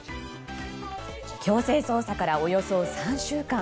強制捜査からおよそ３週間。